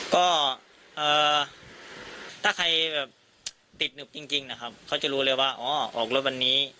ก็ถ้าใครแบบติดหนึบจริงนะครับเขาจะรู้เลยว่าอ๋อออกรถวันนี้